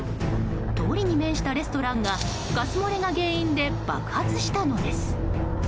通りに面したレストランがガス漏れが原因で爆発したのです。